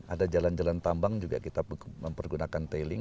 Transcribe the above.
ada jalan jalan tambang juga kita mempergunakan tailing